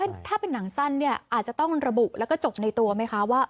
ถ้าเป็นหนังสั้นเนี่ยอาจจะต้องระบุแล้วก็จบในตัวไหมคะว่า